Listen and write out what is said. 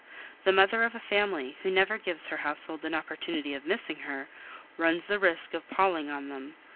The mother of a family, who never gives her household an opportunity of missing her, runs the risk of palling on them.